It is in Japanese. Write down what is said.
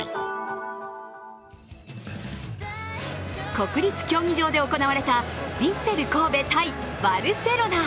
国立競技場で行われたヴィッセル神戸×バルセロナ。